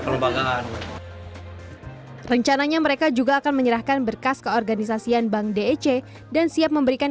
kelembagaan rencananya mereka juga akan menyerahkan berkas keorganisasian bank dec dan siap memberikan